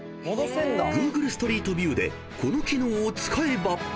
［Ｇｏｏｇｌｅストリートビューでこの機能を使えば］